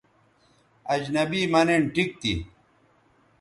اجنبی مہ نِن ٹھیک تھی